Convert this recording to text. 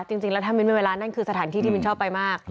จริงแล้วถ้ามิ้นมีเวลานั่นคือสถานที่ที่มินชอบไปมาก